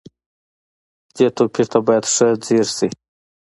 دې توپير ته بايد ښه ځير شئ.